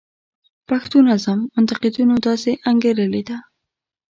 پښتو نظم منتقدینو داسې انګیرلې ده.